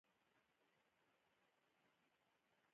نظام مصدر دی د نظم له کلمی څخه اخیستل شوی،